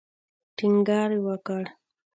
ټینګار وکړ.